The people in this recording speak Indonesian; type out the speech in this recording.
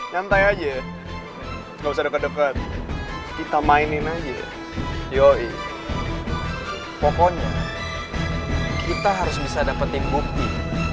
nyantai aja nggak usah deket deket kita mainin aja yo i pokoknya kita harus bisa dapetin bukti